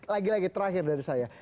lagi lagi terakhir dari saya